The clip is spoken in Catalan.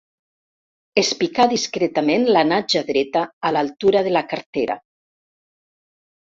Es picà discretament la natja dreta a l'altura de la cartera.